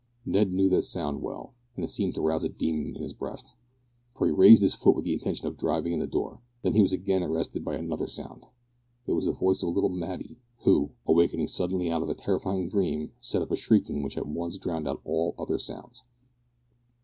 Ned knew the sound well, and it seemed to rouse a demon in his breast, for he raised his foot with the intention of driving in the door, when he was again arrested by another sound. It was the voice of little Matty, who, awaking suddenly out of a terrifying dream, set up a shrieking which at once drowned all other sounds.